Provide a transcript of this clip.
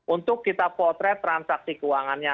untuk kita potret transaksi keuangannya